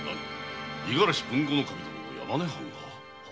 五十嵐豊後守殿の山根藩が？